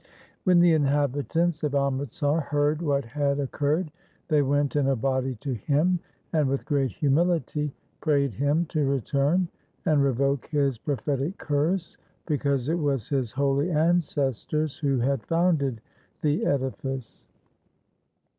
When the inhabitants of Amritsar heard what had occurred, they went in a body to him, and with great humility prayed him to return and revoke his prophetic curse, because it was his holy ancestors who had founded the edifice.